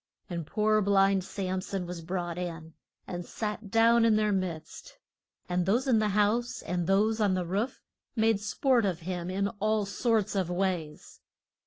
And poor blind Sam son was brought in, and sat down in their midst. And those in the house and those on the roof made sport of him in all sorts of ways.